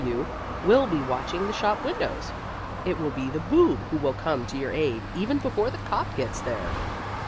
W.W. will be watching the shop windows. It will be the Boob who will come to your aid, even before the cop gets there.